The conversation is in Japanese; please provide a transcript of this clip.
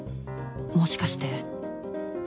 もしかして